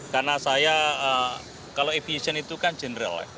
karena saya kalau aviasi itu kan general